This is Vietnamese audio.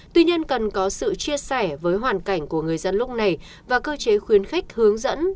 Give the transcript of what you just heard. tuy nhiên cần có sự chia sẻ với hoàn cảnh của người dân lúc này và cơ chế khuyến khích hướng dẫn